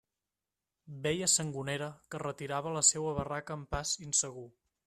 Veia Sangonera que es retirava a la seua barraca amb pas insegur.